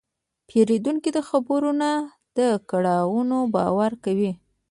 پیرودونکی د خبرو نه، د کړنو باور کوي.